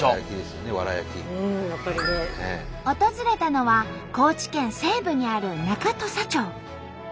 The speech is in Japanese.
訪れたのは高知県西部にある中土佐町。